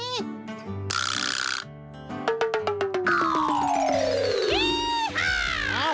ยีฮ่า